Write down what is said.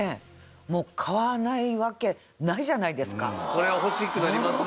これは欲しくなりますね。